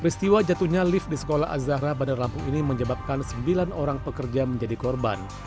peristiwa jatuhnya lift di sekolah azahra bandar lampung ini menyebabkan sembilan orang pekerja menjadi korban